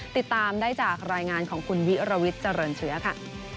ติดตามได้จากรายงานของคุณวิรวิทย์เจริญเชื้อค่ะ